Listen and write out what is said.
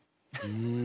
うん。